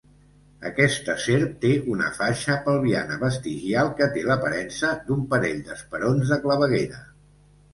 Aquesta serp té una faixa pelviana vestigial que té l'aparença d'un parell d'esperons de claveguera.